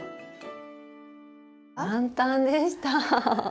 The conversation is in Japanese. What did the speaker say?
簡単でした！